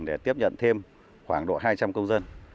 để tiếp nhận thêm khoảng độ hai trăm linh công dân